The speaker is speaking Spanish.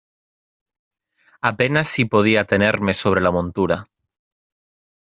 apenas si podía tenerme sobre la montura.